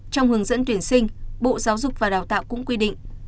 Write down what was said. trong hướng dẫn tuyển sinh bộ giáo dục và đào tạo cũng quy định